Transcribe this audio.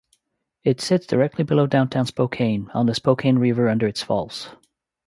It sits directly below Downtown Spokane on the Spokane River under its falls.